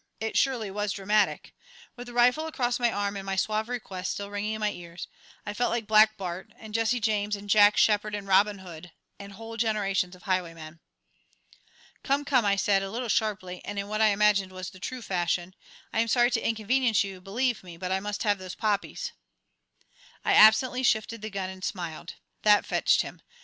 It surely was dramatic. With the rifle across my arm and my suave request still ringing in my ears, I felt like Black Bart, and Jesse James, and Jack Sheppard, and Robin Hood, and whole generations of highwaymen. "Come, come," I said, a little sharply and in what I imagined was the true fashion; "I am sorry to inconvenience you, believe me, but I must have those poppies." I absently shifted the gun and smiled. That fetched him.